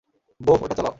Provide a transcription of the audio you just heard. বোহ, ওটা চালাও!